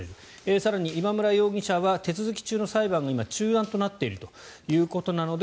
更に今村容疑者は手続き中の裁判が今、中断となっているということなので